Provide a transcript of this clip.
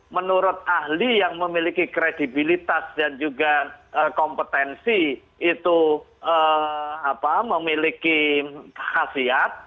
menurut ahli yang memiliki kredibilitas dan juga kompetensi itu memiliki khasiat